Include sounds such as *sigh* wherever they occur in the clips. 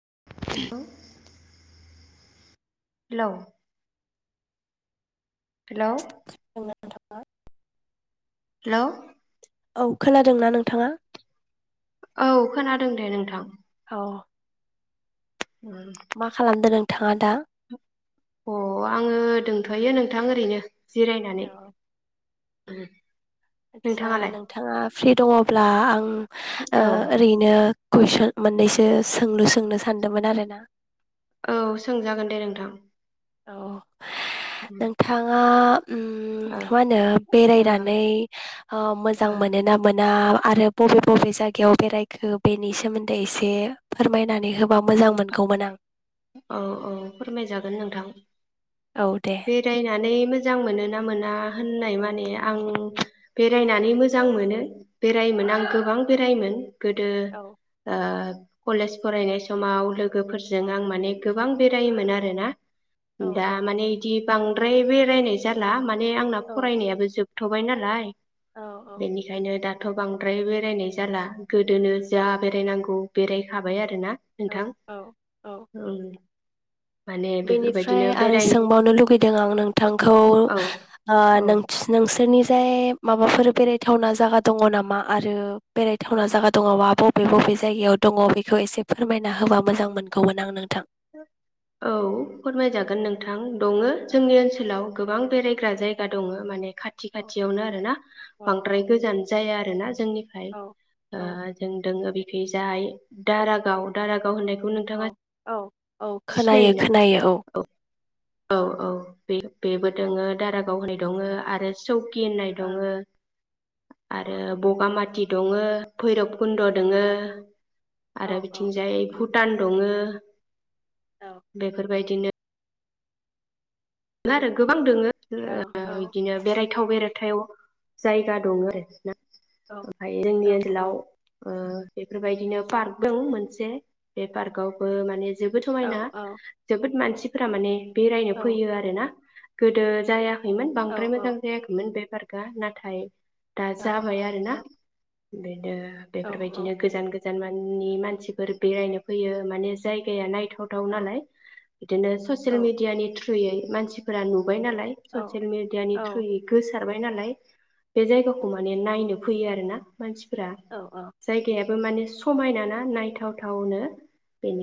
*unintelligible* Hello hello आं थाङा। Hello औ खोनादोंना नोंथाङा? औ खोनादों दे नोंथां। अ' मा खालामदों नों थाङा दा? अ आङो दोंथयो नोंथां ओरैनो। जिरायनानै *unintelligible* आदसा नोंथाङालाय नोंथाङा फ्रि दङब्ला आं ओ औ ओरैनो कुइसन मोननैसो सोंलु सोंनो सानदोंमोन आरो ना? औ सोंजागोन दे नोंथां। औ नोंथाङा उम मा औ होनो ओ बेरायनानै ओ मोजां मोनो ना मोना? आरो बबे बबे जायगायाव बेरायखो बेनि सोमोन्दै एसे फोरमायनानै होबा मोजां मोनगौमोन आं। औ औ फोरमाय जागोन नोंथां। औ दे बेरायनानै मोज जां मोन ना मोना होननाय माने आं बेरायनानै मोजां मोनो बेरायोमोन आं गोबां बेरायोमोन। गोदो औ ओ कलेज फरायनाय समाव लोग औ गोफोरजों आं गोबां बेरायोमोन आरोना। औ दा औ माने एदि बांद्राय बेरायनाय जाला मानो माने आंना फरायनायाबो जोब थबाय नालाय औ बेनिखायनो दा दाथ बांद्राय बेरायनाय जाला गोदोनो जा बेरायनांगौ बेरायखाबाय आरोना। औ औ औ उ बेनिफ्राय आरो सोंबावनो लुगैदों आं नोंथांखौ औ ओ औ नोंस नोंसोरनि जाय माबाफोर बेरायथावना जायगा दङ नामा आरो बेरायथावना जायगा दङबा बबे बबे जायगायाव दङ बेखौ एसे फोरमायना होबा मोजां मोनगौमोन आं नोंथां। औ फोरमायजागोन नोंथां। दङो औ जोंनि ओनसोलाव गोबां बेरायग्रा जायगा दङ माने खाथि खाथियावनो आरो ना औ औ बांद्राय गोजान जाया आर *unintelligible* जोंनिफ्राय औ औ ओ जोंदोङो बि फैजाय दारागाव दारागाव होननाय औ नोंथाङा औ औ खोनायो सिनायोना खोनायो औ। औ औ बे बेबो दोङो दारागाव होननाय दङ आरो चौकि होन्नाय औ। दङो औ आरो बगामाति दङो भैरब कुन्द दङो औ आरो बिथिंजाय भुत दान दङो औ बेफोरबायदिनो *unintelligible* आरो गोबां दोङो। औ औ बिदिनो बेराय थाव बेराथायाव जायगा दं आरो ना ओमफ्राय औ जोंनि ओनसोलाव ओ बेफोरबायदिनो पार्क दं मोनसे बे पार्कावबो माने जोबोद समायना जोबोद मानसि फोरा माने बेरायनो फैयो आरो गोदो जाया खैमोन बांद्राय मोजां जायाखैमोन बे पार्कआ नाथाय दा जाबाय आरोना औ बिनो बेफोरबायदिनो गोजान गोजान गोजान माननि मानसिफोर बेरायनो फैयो माने जायगाया नाय *unintelligible* नालाय बिदिनो ससियेल मिदियानि थ्रु *unintelligible* मानसिफोरा नु नुबाय नालाय ससेल मिदियानि औ थ्रुयै गोजो सारबाय नालाय बे जायगाखौ माने नायनो फैयो आरोना। मानसिफोरा औ औ जायगाया बो माने समायना ना नायथावथावनो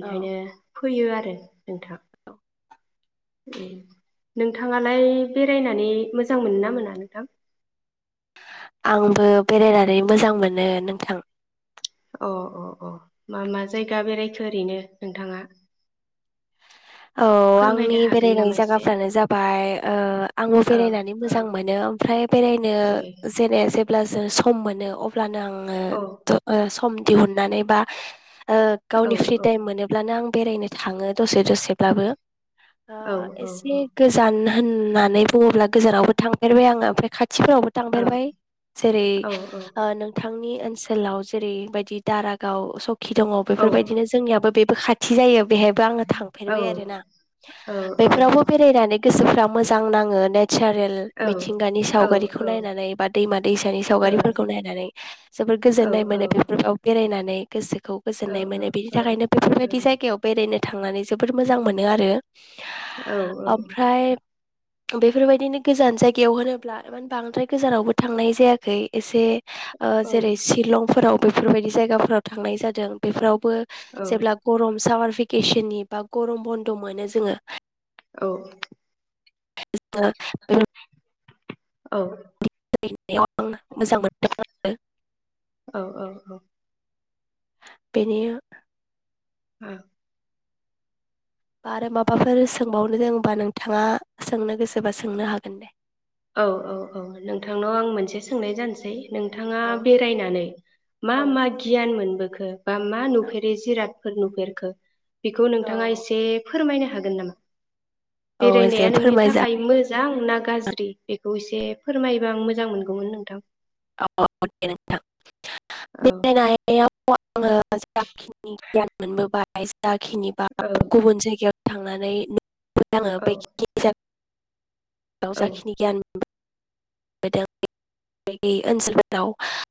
औ फैयो आरो नोंथां नोंथाङालाय बेरायनानै मोजां मोनो ना मोना नोंथां? आंबो बेरायनानै मोजां मोनो नोंथां। अ अ अ मा मा जायगा बेरायखो ओरैनो नोंथांङा? औ आंनि बेरायनाय एसे? जायगाफ्रानो जाबाय ओ आंङो औ बेरायनानै औ मोजां मोनो ओमफ्राय बेरायनो ए जेरै जे अब्ला जों सम मोनो अब्लानो आं औ *unintelligible* द' सम दिहुननानै बा ओ औ गावनि फ्रि टाइम मोनोब्लानो आं बेरायनो थाङो दसे दसे दाबो ओ औ औ एसे गोजान होननानै बुङोब्ला गोजानावबो थांफेरबाय आङो ओमफ्राय खा खाथिफोरावबो औ थांफेरबाय जेरै औ ओ नोंथांनि ओन ओनसोलाव जेरैबायदि दारागाव स खि दङ औ बेफोरबायदिनो जोंनियाबो बे बो खाथि जायो बेहायबो आङो था औ ओ फेरबाय आरोना बेफोरावबो बेरायनानै गोसोफ्रा मोजां नाङो ने नेचारेल औ मिथिंगानि सावगारिखौ नायनानै बा दैमा दैसानि सावगारिफोरखौ नायनानै जोबोर औ ओं गोजोन्नाय औ मोनो बेफोराव बेरायनानै नै गोसो खौ गोजोन्नाय मोनो औ थांनानै जोब जोबोर मोजां मोनो आरो औ औ ओमफ्राय थां बेफोरबायदिनो गोजान जायगायाव होनोब्लाान बांद्राय गोजानावबो थांनाय जायाखै ओ जेरै शिलंफोराव बेफोरबायदि जायगाफोराव थांनाय जादों बेफोराव बेफोर आवबो जेब्ला गम सामार बेकेसननि बा गरम बन्द मोनो जोङो औ *inaudible* औ बेरायनायाव आं मोजां मोनदों आरो औ औ औ बेन औ आरो माबाफोर सोंबावनो गोनांबा नोंथाङा सोंनो गोसोबा सोंनो हागोन दे औ औ औ नोंथांनाव आं मोनसे सोंनाय जानोसै नोंथाङा औ बेरायनानै मा औ मा गियान मोनबो खो बा मा औ नुफेरै जिराद फोर नुफेरखो बेखौ औ नोंथाङा एसे फो फोरमायनो हागोन नामा औ एसे बेरायनाया नोंनि फोरमायजा थाखाय मोजा दांना गाज्रि बेखौ एसे फोरमायोबा आं मोजां मोनगौमोन नोंथां *unintelligible* *unintelligible* औ *unintelligible* दाखिनि *unintelligible* बा औ गुबुन जायगायाव थांनानै नो औ *unintelligible* दाव औ जाखिनि गियान मोनबोदों *unintelligible*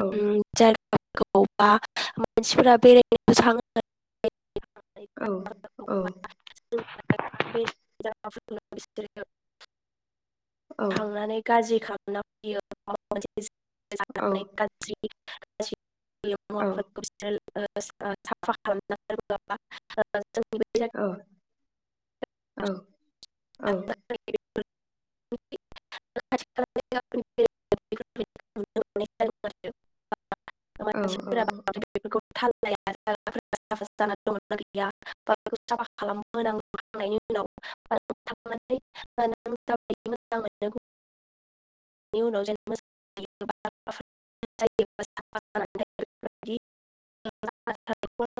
औ *unintelligible* औ बिसोरो औ *unintelligible* *unintelligible* थांनानै गाज्रि खालाम औ *unintelligible* *unintelligible* *inaudible* *unintelligible* *unintelligible* औ औ औ *unintelligible* औ औ *unintelligible* *unintelligible* *unintelligible* *unintelligible*